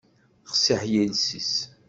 Qessiḥ yiles-is.